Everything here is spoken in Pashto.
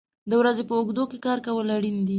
د ورځې په اوږدو کې کار کول اړین دي.